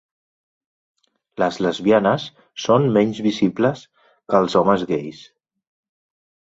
Les lesbianes són menys visibles que els homes gais.